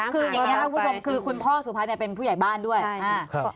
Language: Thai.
คนนี้คุณพ่อเป็นผู้ใหญ่บ้านด้วย